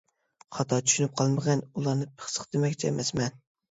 خاتا چۈشىنىپ قالمىغىن، ئۇلارنى پىخسىق دېمەكچى ئەمەسمەن.